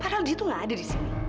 padahal dia tuh gak ada disini